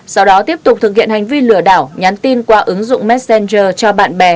sau đó tiếp tục thực hiện hành vi lừa đảo nhắn tin qua ứng dụng messenger cho bạn bè